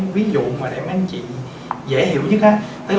ví dụ dễ hiểu nhất